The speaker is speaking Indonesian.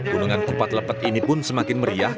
gunungan kupat lepet ini pun semakin meriah